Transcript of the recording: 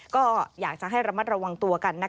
ก็อยากจะให้ระมัดระวังตัวกัน